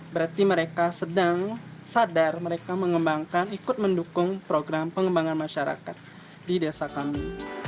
berarti mereka sedang sadar mereka mengembangkan ikut mendukung program pengembangan masyarakat di desa kami